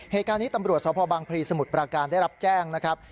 เหตุการณ์นี้ตำรวจสพบังพลีสมุทรปราการได้รับแจ้งนะครับ